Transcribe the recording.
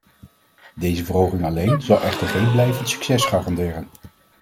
Deze verhoging alleen zal echter geen blijvend succes garanderen.